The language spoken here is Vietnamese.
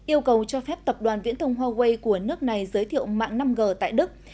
yêu cầu cho phép tập đoàn viễn thông huawei của nước này giới thiệu mạng năm g tại đức